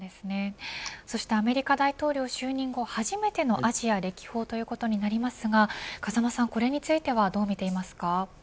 アメリカ大統領就任後初めてのアジア歴訪となりますが風間さんこれについてはどうみていますか。